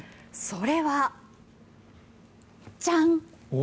それはじゃん！